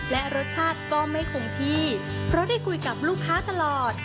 และรสชาติก็ไม่คงที่เพราะได้คุยกับลูกค้าตลอด